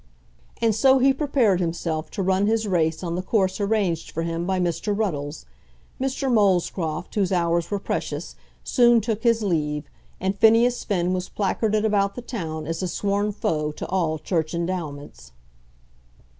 And so he prepared himself to run his race on the course arranged for him by Mr. Ruddles. Mr. Molescroft, whose hours were precious, soon took his leave, and Phineas Finn was placarded about the town as the sworn foe to all Church endowments.